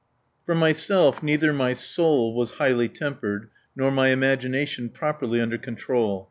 For myself, neither my soul was highly tempered, nor my imagination properly under control.